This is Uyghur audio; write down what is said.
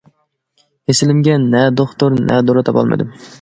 كېسىلىمگە نە دوختۇر، نە دورا تاپالمىدىم.